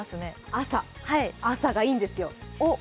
朝、朝がいいんですよ。